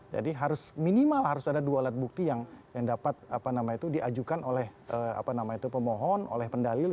jadi harus minimal harus ada dua alat bukti yang dapat diajukan oleh pemohon oleh pendalil